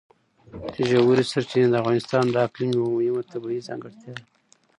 ژورې سرچینې د افغانستان د اقلیم یوه مهمه طبیعي ځانګړتیا ده.